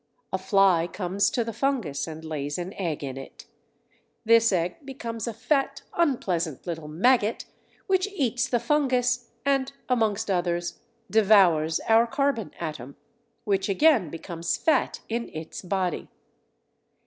A fly comes to the fungus and lays an egg in it. This egg becomes a fat, unpleasant little maggot which eats the fungus, and amongst others devours our carbon atom, which again becomes fat in its body.